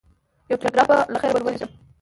یو ټلګراف به له خیره ورلېږم.